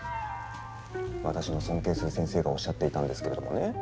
私の尊敬する先生がおっしゃっていたんですけれどもね